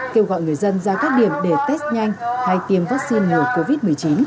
kêu gọi người dân ra các điểm để test nhanh hay tiêm vaccine ngừa covid một mươi chín